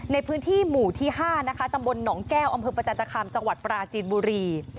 ในพื้นที่หมู่ที่๕นะคะตำบลหนองแก้วอำเภอประจันตคามจังหวัดปราจีนบุรี